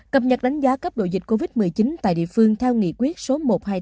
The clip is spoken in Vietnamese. cập nhật đánh giá cấp độ dịch covid một mươi chín tại địa phương theo nghị quyết số một trăm hai mươi tám